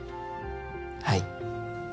はい。